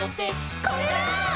「これだー！」